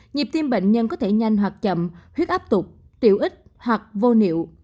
nhịp tim bệnh nhân có thể nhanh hoạt chậm huyết áp tục triệu ích hoặc vô niệu